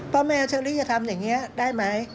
พ่อแม่เชอรี่จะทำอย่างนี้ได้ไหม